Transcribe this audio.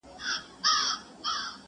ورور گلوي له مظلومانو سره وایي!.